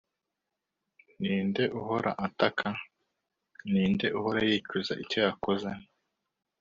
ni nde uhora ataka? ni nde uhora yicuza icyo yakoze